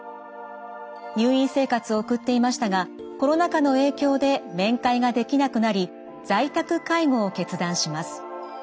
入院生活を送っていましたがコロナ禍の影響で面会ができなくなり在宅介護を決断します。